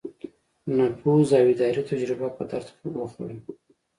نفوذ او اداري تجربه په درد وخوړه.